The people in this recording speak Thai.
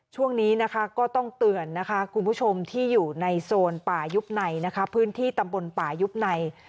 ช่วงนี้นะคะก็ต้องเตือนนะคะคุณผู้ชมที่อยู่ในโซนป่ายุบในนะคะพื้นที่ตำบลป่ายุบใน